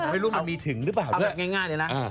เอาแบบง่ายเลยนะ